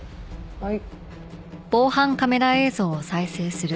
はい。